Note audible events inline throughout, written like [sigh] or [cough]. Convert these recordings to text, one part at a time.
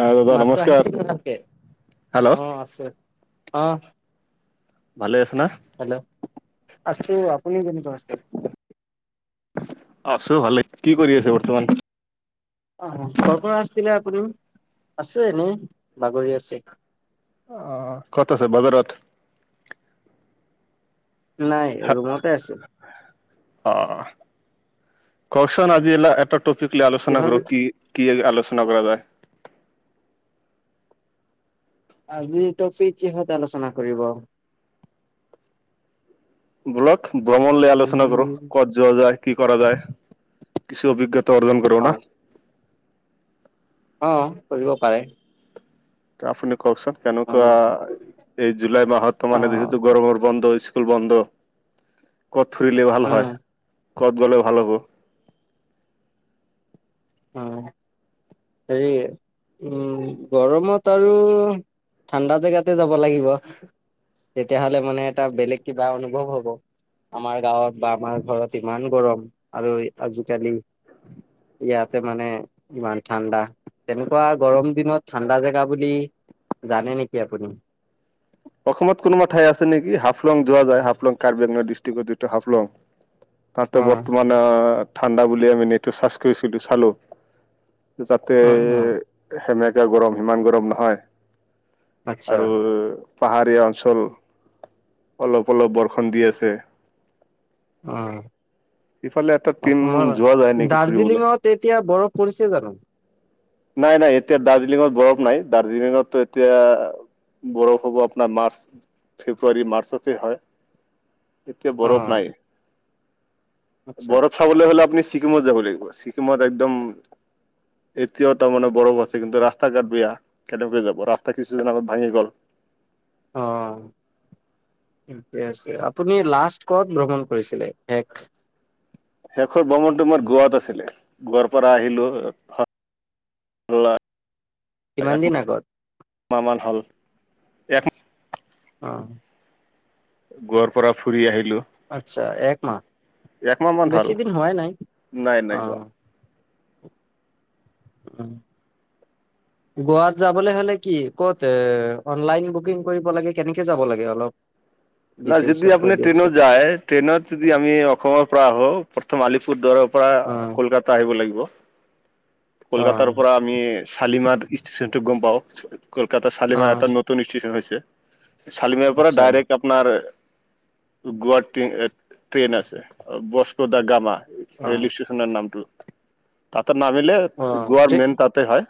আহ দাদা মাতটো নমস্কাৰ আহিছে ন ভালকে, হেল্ল' অ আছে অ। ভালে আছ না? হেল্ল', আছো। আপুনি কেনেকোৱা আছে? আছো ভালে। কি কৰি আছে বৰ্তমান? আছে এনেই, বাগৰি আছে। আহ কত আছে বজাৰত? নাই ৰুমতে আছো। অ কওকচোন আজি এটা টপিক লৈ আলোচনা কিহৰ কৰো বি কি। কি আলোচনা কৰা যায়। আজি তপিক কিহত আলোচনা কৰিব? বলক ভ্ৰমণ লৈ আলোচনা কৰো। উম ক'ত যোৱা যায় কি কৰা যায়, কিছু অভিজ্ঞতা অৰ্জন কৰো ন। অ' অ কৰিব পাৰে। আপুনি কওকচোন উম কেনেকুৱা এই জুলাই মাহত ত মানে অ' যিহেতু গৰমৰ বন্ধ হৈছিল। স্কুল বন্ধ। ক'ত ফুৰিলে ভাল হয়? উম কত গলে ভাল হ'ব? অ হেৰি উম গৰমত আৰু ঠাণ্ডা জেগাতে যাব লাগিব। তেতিয়াহলে মানে এটা বেলেগ কিবা অনুভৱ হব। আমাৰ গাঁৱত বা আমাৰ ঘৰত ইমান গৰম আৰু আজিকালি ইয়াত, মানে ইমান ঠাণ্ডা তেনেকুৱা গৰম দিনত ঠাণ্ডা জেগা বুলি জানে নেকি আপুনি? অসমত কোনোবা ঠাই আছে নেকি হাফলং যোৱা যায় হাফলং কাৰ্বিংলৰ ডিষ্ট্ৰিকৰ যিটো হাফলং। তাতে অ', বৰ্তমান ঠাণ্ডা বুলি আমি নটো চাজ কৰিছিলো চালো। যাতে অ', অ', সেমেকাে গৰম সিমান গৰম নহয়। আচ্ছা আৰু পাহাৰীয়া অঞ্চল অলপ অলপ বৰ্ষণ দি আছে। অ, ইফালে এটা টিম অসমৰ যোৱা যায় নেকি ফুৰিবলৈ দাৰ্জিলিঙত এতিয়া বৰফ পৰিছে জানো? নাই নাই এতিয়া দাৰ্জিলিঙত বৰফ নাই দাৰ্জিলিঙতো এতিয়া, বৰফ হ'ব আপোনাৰ মাৰ্চ ফেব্ৰুৱাৰী মাৰ্চতে হয়। এতিয়া বৰফ অ', নাই আচ্ছা বৰফ চাবলৈ হ'লে আপুনি, ছিকিমত যাব লাগিব ছিকিমত একদম, এতিয়া তাৰ মানে বৰফ আছে কিন্তু ৰাস্তা ঘাট বেয়া, কেনেকে যাব ৰাস্তা কিছুদিন আগত ভাঙি গ'ল। [unintelligible] থিকে আছে আপুনি লাষ্ট কত ভ্ৰমণ কৰিছিলে শেষ? শেষৰ ভ্ৰমণটো মোৰ গোৱাত আছিলে গোৱাৰ পৰা আহিলো। নল। [unintelligible] কিমান এক দিন আগত? মাহ মান হল এক। অ। গোৱা পৰা ফুৰি আহি, আচ্ছা একমাহ একমাহ মান হ'ল বেছি দিন হোৱাই নাই নাই অ। নাই হোৱা উম্। গোৱাত যাবলৈ হলে কি, ক'ত অনলাইন বুকিং কৰিব লাগে কেনেকে যাব লাগে অলপ, ন যদি ডিটেইলছত কৈ আপুনি ট্ৰেইনত দিয়কচোন যায় ট্ৰেইনত যদি আমি অসমৰ পৰা আহও প্ৰথম আলিপুৰ দাৰৱ পৰা অ', কলকাতা আহিব লাগিব। কলকাতাৰ অ', পৰা আমি শালিমাৰ ষ্টেচনটো গম পাওঁ। কলকাতাৰ শালিমানাৰ অ', এটা নতন ষ্টেচন হৈছে। শালিমাৰ পৰা আচ্ছা ডাইৰেক্ট আপোনাৰ গোৱা ট্ৰেইন আছে বস্ক দা গামা, অ', ৰেল ষ্টেচনৰ নামটো তাঁতে নামিলে অ', গোৱাৰ তে মেইন তাঁতে হয়।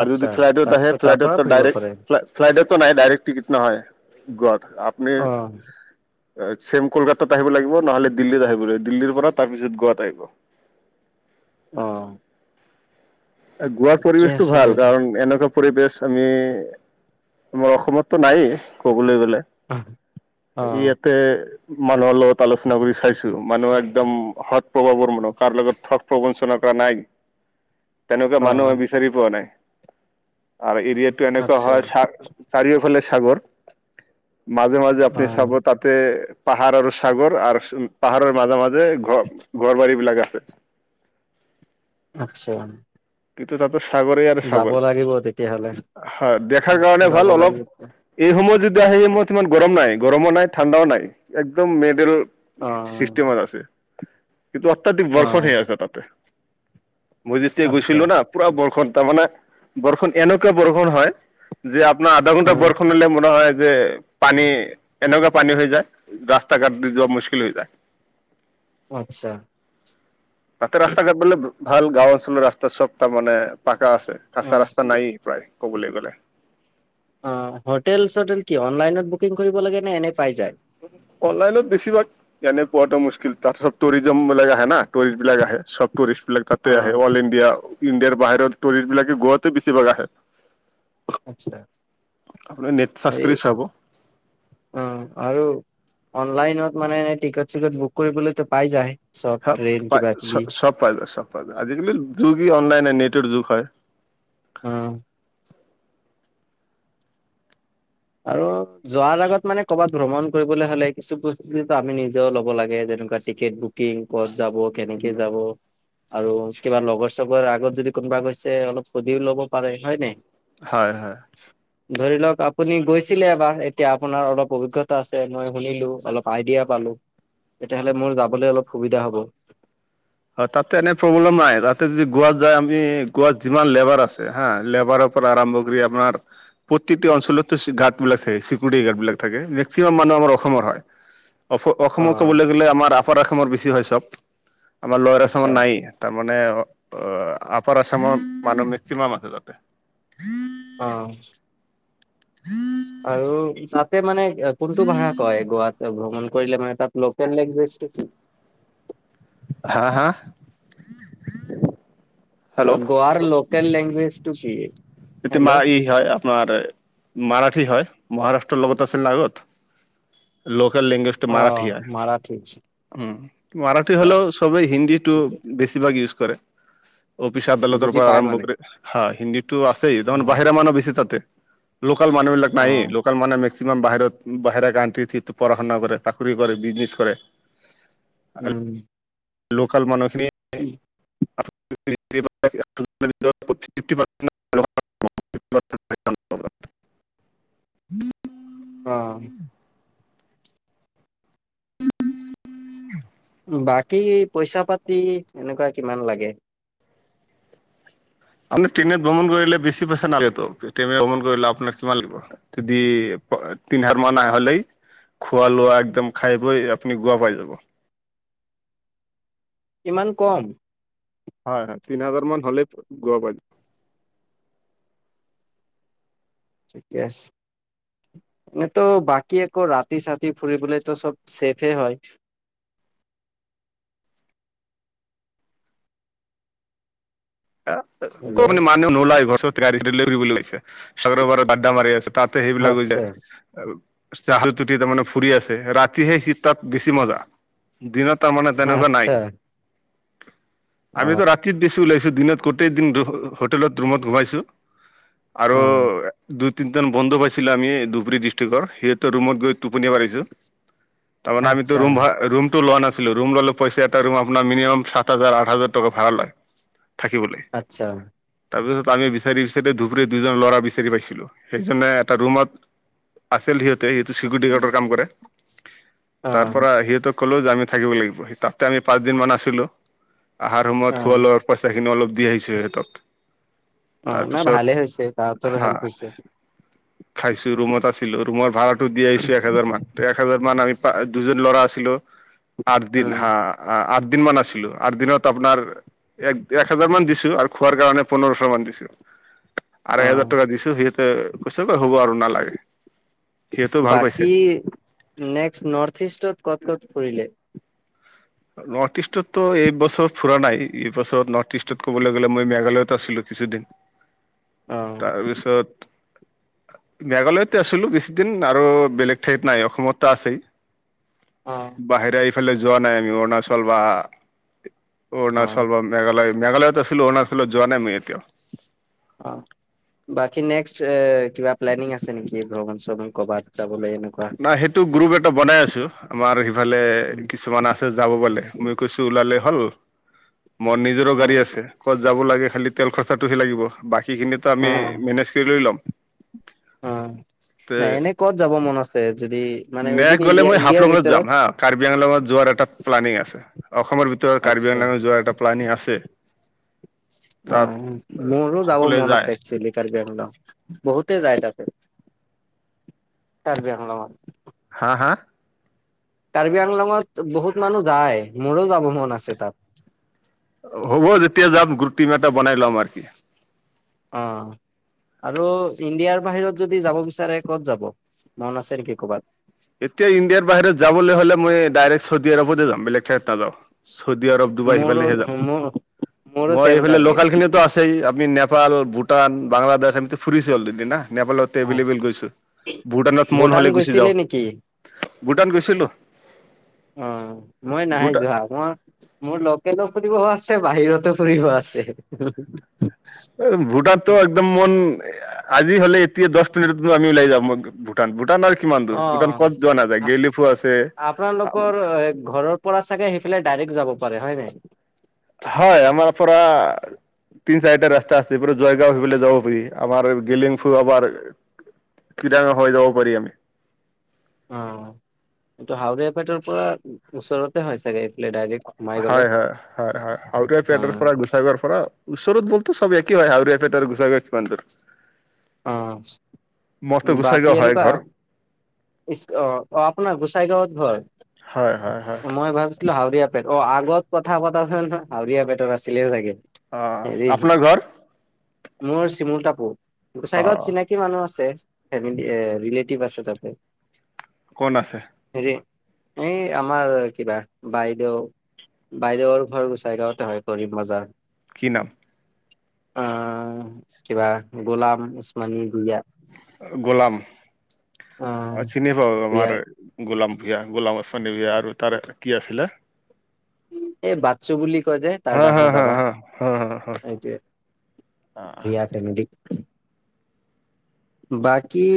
আৰু আচ্ছা যদি ফ্লাইটত আহে তাৰপিছত তাৰ পৰা ফ্লাইটতো ফুৰিব ডাইৰেক পাৰে ফ্লাইটতো নাই ডাইৰেক্ট টিকট নহয়। গত আপনি, অ', চছেম কলকাতাত আহিব লাগিব নহলে দিল্লীত আহিব লাগিব দিল্লীৰ পৰা তাৰ পিছত গোৱাত আহিব। [unintelligible] অ। গোৱাৰ ঠিকে পৰিৱেশতটো আছে ভাল, দিয়ক কাৰণ এনেকুৱা পৰিবেশ আমি আমাৰ অসমততো নায়েই ক'বলৈ গলে, অ', অ', ইয়াতে, মানুহৰ লগত আলোচনা কৰি চাইছো মানুহে একদম সৎ প্ৰভাৱৰ মানুহ কাৰ লগত ঠগ প্ৰবঞ্চনা কৰা। নাই তেনেকুৱা মানুহে বিচাৰি পোৱা নাই, আৰু এটো এনেকুৱা আচ্ছা হয় চ চাৰিওফালে ছাগৰ। মাজে মাজে আপুনি চাব অ', তাতে পাহাৰ আৰু সাগৰ আৰু পাহাৰৰ মাজে, মাজে যে ঘৰ ঘৰ বাৰী বিলাক আছে, [unintelligible] সাগৰে আৰু যাব সাগৰ। লাগিব তেতিয়াহ'লে হয়! দেখাৰ কাৰণে, যাব ভাল অলপ। লাগিব অ', এই সময়ত যদি আহে, এই সময়ত ইমান গৰম নাই। গৰমো নাই, ঠাণ্ডাও নাই। একদম মেডেল অ', চিষ্টেমত আছে। কিন্তু, অত্যাধিক বৰষুণ হৈ আছে তাতে। [unintelligible] আচ্ছা পুৰা বৰষুণ তাৰমানে, বৰষুণ এনেকুৱা বৰষুণ হয়। যে, আধা ঘণ্টা অ', বৰষুণ হলে [unintelligible] যে পানী এনেকুৱা পানী হৈ যায়। ৰাস্তা ঘাট দি যোৱা মুস্কিল হৈ যায়। [inaudible] আচ্ছা! তাতে, ৰাস্তা ঘাট মানে ভাল গাঁও অঞ্চলৰ ৰাস্তা সব তাৰমানে, পাক পাকা আছে। কাঁচা অ', ৰাস্তা নায়েই, প্ৰায় ক'বলৈ গ'লে। অ'! হোটেল, চটেল কি অনলাইনত বুকিং কৰিব লাগে নে এনে পাই যায় অনলাইনত বেছিভাগ, এনে পোৱাটো মুস্কিল। তাৰপিছত, টুৰিজিমবিলাক আহে [unintelligible] আহে না। টুৰিষ্ট বিলাক আহে, চব টুৰিষ্ট বিলাক তাতে আহে অ', অল ইণ্ডিয়া। ইণ্ডিয়াৰ বাহিৰৰ টুৰিষ্ট বিলাকে গোৱাতে বেছিভাগ আহে। আচ্ছা! আপুনি নেট চাৰ্চ এই কৰি চাব অ'! আৰু অনলাইনত মানে, টিকট চিকট বুক কৰিবলৈতো পাই যায়? চব ট্ৰেইন পাই। কিবা কিবি চব পাই, চব পাই। আজিকালি, টো কি অনলাইন নে নেটৰ যুগ হয়। উম! আৰু যোৱাৰ আগত মানে, কৰ'বাত ভ্ৰমণ কৰিবলে হ'লে কিছু বস্তু যিটো আমি নিজেও ল'ব লাগে যে। নে, টিকট বুকিং ক'ত যাব, কেনেকে যাব। আৰু কিবা লগৰ, চগৰ আগত যদি কোনোবা গৈছে, অলপ পসুধিও ল'ব পাৰে হয় নাই? হয়, হয়। ধৰি লওঁক, আপুনি গৈছিলে এবাৰ। এতিয়া, আপোনাৰ অলপ অভিজ্ঞতা আছে। মই শুনিলোঁ, অলপ আইডিয়া পালোঁ। তেতিয়াহ'লে, মোৰ যাবলৈ অলপ সুবিধা হ'ব। হয়। তাতে, এনে প্ৰব্লেম নাই। তাতে, যদি গোৱাত যায়, আমি গোৱাত যিমান লেবাৰ আছে হা, লেবাৰ পৰা আৰম্ভ কৰি আপোনাৰ প্ৰত্যেকটো অঞ্চলতো গাৰ্ড বিলাক থাকে। চিকিউৰিটি গাৰ্ড বিলাক থাকে। মেক্সিমাম মানুহ আমাৰ অসমৰ হয়। অ, অ অসমক ক'বলৈ গ'লে আমাৰ আপাৰ অসমৰ বেছি হয় চব। আমাৰ লৱাৰ আচামৰ আচ্ছা নাই। তাৰমানে, আঁ আপাৰ আছামৰ মানুহ মেক্সিমাম আছে তাতে। অ'! [unintelligible] আৰু তাতে মানে, কোনটো ভাষা কয়? গোৱাত ভ্ৰমণ কৰিলে মানে তাত লোকেল লেংগুৱেজটো কি? হা! হা! হেল্ল' গোৱৰ লোকেল লেংগুৱেজ টো কি? এতিয়া হেল্ল' [unintelligible] আপোনাৰ মাৰাঠী হয়। মহাৰাষ্ট্ৰ লগত আছে লাগত। লোকেল লেংগুৱেজটো মাৰাঠী অ' হয়। মাৰাঠী আচ্ছা উম, মাৰাঠী হ'লেও, চবেই হিন্দীটো ঠিকে বেছিভাগ ইউজ কৰে। অফিচ, আদালতৰ বুজি পৰা পাই আৰম্ভ মানে কৰে। হা! হিন্দীটো [unintelligible] অ' বাহিৰা মানুহ বেছি তাতে। লোক মানুহবিলাক নাইয়য়। অ' লোকেল মানু কিমান বাহিৰত, বাহিৰা কাউন্ট্ৰীত, পঢ়া শুনা কৰে। চাকৰি কৰে, বিজনেছ কৰে। উম! লোকেল মানুহখিনি কি? [unintelligible] [unintelligible] অ বাকী পইচা পাতি এনেকুৱা কিমান লাগে আপনি ট্ৰেইনত ভ্ৰমণ কৰিলে বেছি পইচা নালাগেতো ট্ৰেইনে ভ্ৰমণ কৰিলে আপোনাক কিমান লাগিব যদি তিনি হাৰ মাহ আহ হলেই খোৱা লোৱা একদম খাই বৈ আপুনি গোৱা পাই যাব ইমান কম হয় হয় তিনি হাজাৰ মান হ'লেই গোৱা প ঠিকে আছে এনেতো বাকী আকৌ ৰা চাতি ফুৰিবলৈ তো চব চেফে হয় হেল্ল' আপুনি মান নোলাই লৈছে চাগৰোৰ ডা্ডা মাৰি আছে তাতে সেইবিলাক হৈ আচ্ছা যায় চাহাল টুটি তাৰমানে ফুৰি আছে ৰাতিহে সি তাত বেছি মজা দিনত তাৰমানে তেনেকুৱা আচ্ছা নাই আমিতো অ' ৰাতি বেছি ওলাইছো দিনত গোটেই দিন হোটেলত ৰুমত সোমাইছো আৰু অ' দুই তিনজন বন্ধু পাইছিলো আমি ধুবুৰী ডিষ্ট্ৰিক্টৰ সিহঁতো ৰুমত গৈ টোপনি মাৰিছো তাৰ মানে আমিতো আচ্ছা ৰূম লোৱা নাছিলো ৰুম ললে পইচা এটা ৰুম আপোনাৰ মিনমাম সাত হাজাৰ আঠ হাজাৰ টকা ভাড়া লয় থাকিবলৈ আচ্ছা তাৰপিছত আমি বিচাৰি বিচাৰি ধুবুৰী দুজন ল'ৰা বিচাৰি পাইছিলো সেইজনে এটা ৰুমত আছিল তে শিলগুটি অৰ্ডাৰ কাম কৰে তাৰ অ' পৰা সিহঁতক ক'লো যে আমি থাকিব লাগিব তাতে আমি পাঁচ দিন মান আছিলো অহাৰ সময়ত অ খোৱা লোৱা পইচা খিনি অলপ দি আহিছো সিহঁতক অ নাই তাৰপিছত ভালে হৈছে তাহতৰো হা হেল্প হৈছে খাইছো ৰুমত আছিলো ৰুমৰ ভাড়াটো দি আহিছো এক হেজাৰ মান এক হেজাৰ মান আমি দুজন ল'ৰা আছিলো আঠ দিন হা আঠ দিন মান আছিলো আঠ দিনত আপোনাৰ এক এক হাজাৰ মান দিছো আৰু খোৱাৰ কাৰণে পোন্ধৰশ মান দিছো অ আঢ়াই হাজাৰ টকা দিছো সিহঁতে কৈছে হ'ব আৰু নালাগে সিহঁতেও ভাল পাইছে বাকী নেক্সট নৰ্থ ইষ্টত ক'ত কত ফুৰিলে নৰ্থ ইষ্টতো এইবছৰ ফুৰা নাই এইবছৰত নৰ্থ ইষ্টত ক'বলৈ গ'লে মই মেঘালয়ত আছিলো কিছুদিন অ তাৰপিছত মেঘালয়তে আছিলো বেছিদিন আৰু বেলেগ ঠাইত নাই অসমতো আছেই অ বাহিৰে এইফালে যোৱা নাই আমি অৰুণাচল বা অৰুণাচল বা অ মেঘালয় মেঘালয়ত আছিলো অৰুণাচলত যোৱা নাই মই এতিয়াও অ বাকি নেক্স কিবা প্লেণিং আছে নেকি ভ্ৰমণ শ্ৰণ কৰবাত যাবলৈ এনেকুৱা নাই সেইটো গ্ৰুপ এটা বনাই আছো আমাৰ সিফালে কিছুমান আছে যাব গালে মই কৈছো ওলালে ভাল মোৰ নিজৰো অ গাড়ী আছে ক'ত যাব লাগে খালি তেল খৰচাটোহে লাগিব সেইখিনিতো অ আমি মেনেজ কৰি লৈ ল'ম অ এনে ক'ত যাব মন আছে যদি মানে মে উইদিন গ'লে ইণ্ডিয়া মই ইণ্ডিয়াৰ হাফলঙত যাম ভিতৰত হা কাৰ্বি আংলঙত যোৱাৰ এটা প্লানিং আছে অসমৰ ভিতৰত কাৰ্বি আচ্ছা আংল যোৱাৰ এটা প্লানিং আছে অ তাত মোৰো যাব সকলোৱে মন যায়। আছে কাৰ্বি আংলং বহুত যায় তাতে কাৰ্বি আংলং ত হা কাৰ্বি আংলঙত বহুত মানুহ যায় মোৰো যাব মন আছে তাত টা বনাই লম আৰ কি অ আৰু ইণ্ডিয়াৰ বাহিৰত যদি যাব বিচাৰে ক'ত যাব মন আছে নেকি কৰ'বাত এতিয়া ইণ্ডিয়াৰ বাহিৰত যাবলৈ হলে মই ডাইৰেক্ট চৌদি আৰবতে যাম বেলেগ ঠাইত নাযাওঁ চৌদি আৰব ডুবাই মোৰো সিফালেহে যাম মোৰ মোৰো মই ছেম এইফালে টাৰ্গেট লোকেল খিনিটো আছেই আপুনি নেপাল ভূটান বাংলাদেশ এম ফুৰিছে অলৰেদি না নেপালত অ', এবলেবল গৈছো ভূটানত মন ভূটান হলে গুচি গৈছিলে যাওঁ নেকি? ভূটান গৈছিলো অ মই নাহাই ভূটা যোৱা মই মোৰ লোকেলক সুধিব এছ আছে বাহিৰত ফুৰিফ আছে ভোটাতটো একদম মন এ আ আজি হলে তে দশ তি মিনিটত আমিওলাই যামওঁ ম ভটান ভূটান আৰ কিমান দূৰ ভূটান অ'। ক'ত যোৱা নাযায় গেলিফো আছে আ আপোনালোকৰ ঘৰৰ পৰা চাগে সেইফালে ডাইৰেক্ যাব পাৰে হয় নে হয় আমাৰ পৰা আ তিন চাৰটা ৰাস্তা আছে পুৰা জয়গাঁও হেফল এ যাব পাৰি আমাৰ গেলিং ফু আমাৰ কিৰাঙা হৈ যাব পাৰি আমি অ এইটো হাউৰীয়া পেটৰ পৰা ওচৰতে হয় চাগে এইফালে ডাইৰেক্ট সোম হয় হয় হয় হয় হাউটিয়া পিয়টৰ পৰা গুচাইাৰৰ পৰা ওচৰত বলতো চব একি হয় হাউৰিীয়া েট আৰু গুচা গছ পান তৰ অ বাকী গোসাইগাঁও হয় এনেকুৱা ঘৰ অ অ আপোনাৰ গোচাই গাঁৱত ঘৰ! হয় হয় হয় মই ভাবিছিলো হাউৰীয়া পেট অ আগত কথা পতাচন আউৰীয়া বেটত আছিলে চাগে অ হৰি আপোনাৰ ঘৰ মোৰ চিমুলটা অ গোচাইগাঁৱত চিনাকি মানুহ আছে ফেমিলি এ ৰিলেটিভ আছে তাতে কোন আছে হেৰি এই আমাৰ কিবা বাইদেউ বাইদেউৰ ঘৰ গুচাই গাওঁতে হয় কৰিব মজা কি নাম? আহ কিবা গোলাম সস মানী বিয়া? গোলাম আহ চিনি পাব ভূঞা আমাৰে গোলাম বিয়া গোলাম আচানী বিয়া আৰু তাৰে কি আছিলে। এই বাকছো বুলি যে তাৰ হা দাঙ হা ন হা দাদা হা হা হা হা অ এইয়া ফেমিলি বাকী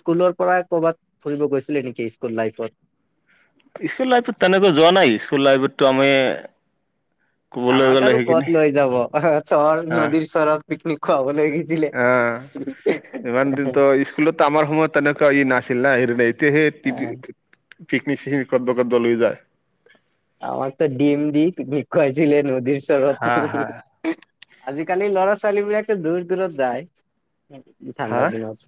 স্কুলৰ পৰা কৰ'ৰবাত ফুৰিব গৈছিলে নেকি স্কুল লাইফত স্কুল লাইফত তেনেকৈ যোৱা নাই স্কুল লাইফতো আমি। ক'বলৈ আমাক গ'লে আৰু সেইখিনি ক'ত লৈ যাব অ হ চহৰ অ নদীৰ চৰত পিকনিক খুৱাব। জিলে অ ইমান দিন ত'স্কুলটো আমাৰ সময়ত তেনেকুৱা ই নাছিল না হেৰি তে সেই টি বি পিকনিক চিকনিক কৰব কাদব লৈ যায় আমাক তো ডিম দি ভষয়ছিলে নদীৰ চৰৰত। হা হা আজিকালি ল'ৰা ছোৱালীবাক তো দূৰ দূৰত যায়। হা ঠাণ্ডা দিনত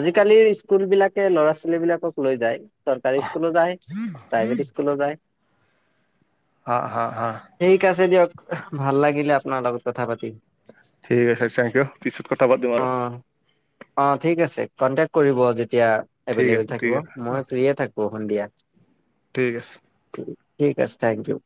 আজিকালিৰ স্কুল বিলাকে লৰা ছোৱালী বিলাকক লৈ যায়। চৰকাৰী স্কুল ও যাই প্ৰাইভেট স্কুলো যাই। হ হা হ ঠিক আছে দিয়ক ভাল লাগিলে আপোনাৰ লগত কথা পাতি ঠিক আছে থেংক ইউ পিছত কথা পাতিন অ আৰু অ ঠিক আছে কন্টেকট কৰিব যটট এতিয়া ঠিক এভেইলেবল আছে থাকিব ঠিক আছে অ মই ফ্ৰী এ থাকো সন্ধিয়া। ঠিক আছে। ঠিক আছে থেংক ইউ।